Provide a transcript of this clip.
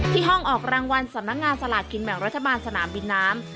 ห้องออกรางวัลสำนักงานสลากกินแบ่งรัฐบาลสนามบินน้ำ